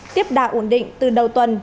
tiếp đạt ổn định từ đầu tuần